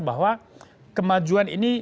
bahwa kemajuan ini